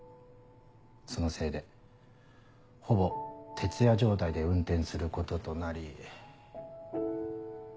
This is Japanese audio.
そのせいでほぼ徹夜状態で運転することとなり。